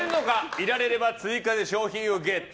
いられれば追加で商品をゲット。